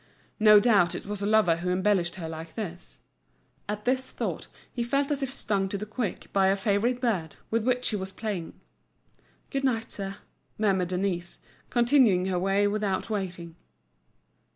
No doubt it was a lover who embellished her like this. At this thought he felt as if stung to the quick by a favourite bird, with which he was playing. "Good night, sir," murmured Denise, continuing her way without waiting.